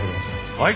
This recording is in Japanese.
はい！